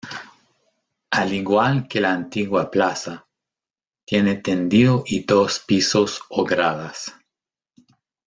Al igual que la antigua plaza, tiene tendido y dos pisos o gradas.